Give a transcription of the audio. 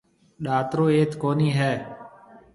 ڏاترو ايٿ ڪونِي هيَ۔